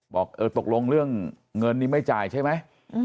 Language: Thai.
บอกเออตกลงเรื่องเงินนี้ไม่จ่ายใช่ไหม